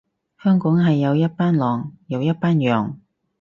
香港係有一班狼，有一班羊